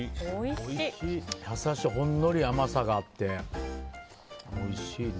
ほんのり甘さがあっておいしい。